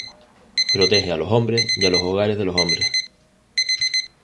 Protege a los hombres y a los hogares de los hombres.